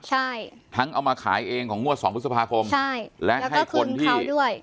ใช่ทั้งเอามาขายเองของงวดสองพฤษภาคมใช่และให้คนที่ด้วย